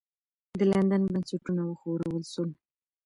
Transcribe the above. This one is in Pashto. د لندن بنسټونه وښورول سول.